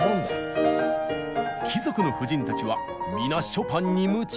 貴族の婦人たちは皆ショパンに夢中。